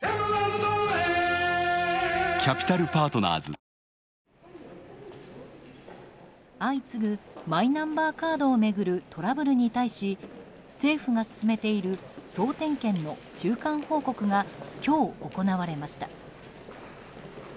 おいしい免疫ケア相次ぐマイナンバーカードを巡るトラブルに対し政府が進めている総点検の中間報告が今日、行われました。